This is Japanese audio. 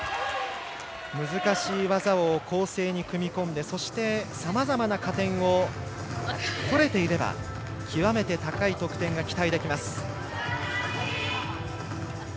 難しい技を構成に組み込んでそして、さまざまな加点を取れていれば極めて高い得点が期待できます。